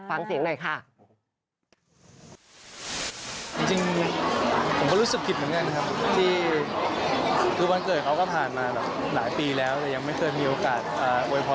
อันนี้คือครั้งแรก